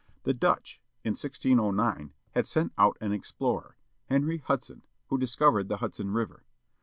The Dutch, in 1609, had sent out an explorer, Henry Hudson who discovered the Hudson River.